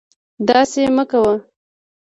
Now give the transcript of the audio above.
داسې مکوه